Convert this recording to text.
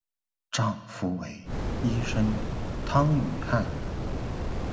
丈夫为医生汤于翰。